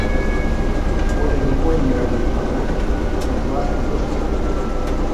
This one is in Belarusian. Коля ніколі не рабіў таго, што клас на дошцы рабіў.